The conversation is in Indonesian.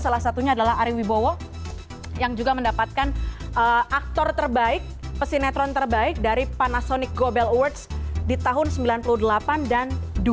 salah satunya adalah ariwi bowo yang juga mendapatkan aktor terbaik pesinetron terbaik dari panasonic gobel awards di tahun sembilan puluh delapan dan dua ribu